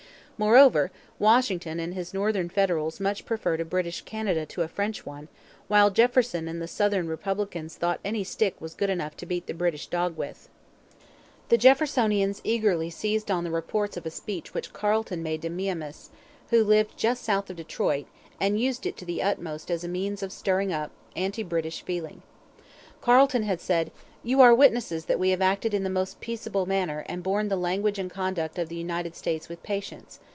Moreover, Washington and his Northern Federals much preferred a British Canada to a French one, while Jefferson and the Southern Republicans thought any stick was good enough to beat the British dog with. The Jeffersonians eagerly seized on the reports of a speech which Carleton made to the Miamis, who lived just south of Detroit, and used it to the utmost as a means of stirring up anti British feeling. Carleton had said: 'You are witnesses that we have acted in the most peaceable manner and borne the language and conduct of the United States with patience.